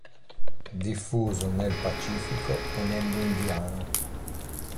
Diffuso nel Pacifico e nell'Indiano.